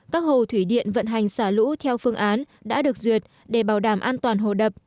các hồ thủy điện vận hành xả lũ theo phương án đã được duyệt để bảo đảm an toàn hồ đập